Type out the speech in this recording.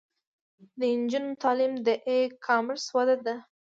د نجونو تعلیم د ای کامرس وده ده.